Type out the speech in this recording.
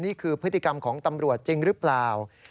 นี่คือพฤติกรรมของตำรวจจริงหรือเปล่า